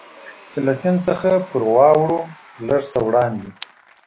چې له سیند څخه پرې واوړو، لږ څه وړاندې.